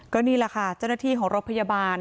ก็นี่แหละค่ะเจ้าหน้าที่ของรถพยาบาล